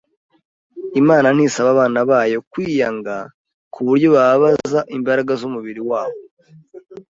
Imana ntisaba abana bayo kwiyanga ku buryo bababaza imbaraga z’umubiri wabo.